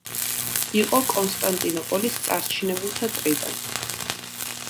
იყო კონსტანტინოპოლის წარჩინებულთა წრიდან.